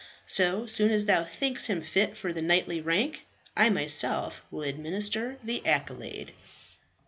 So soon as thou thinkst him fit for the knightly rank I myself will administer the accolade."